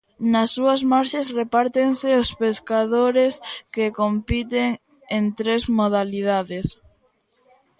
Nas súas marxes repártense os pescadores que compiten en tres modalidades.